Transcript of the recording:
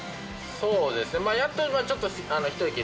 そうですね。